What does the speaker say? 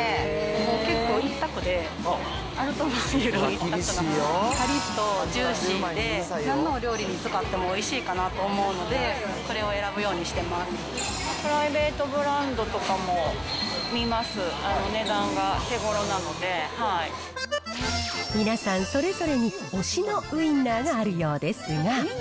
もう結構、一択で、アルトバイエルン一択で、ぱりっとジューシーで、なんのお料理に使ってもおいしいと思うので、これを選ぶようにしていまプライベートブランドとかも皆さん、それぞれに推しのウインナーがあるようですが。